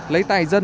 lấy tài dân